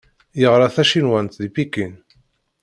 Yeɣra tacinwant di Pikin.